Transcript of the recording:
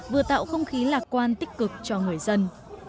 vừa tạo không khí lạc quan tích cực cho người dân